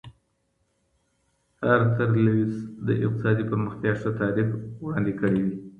ارتر ليوس د اقتصادي پرمختيا ښه تعريف وړاندې کړی دی.